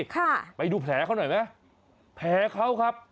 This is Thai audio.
ค่ะไปดูแผลเขาหน่อยไหมแผลเขาครับ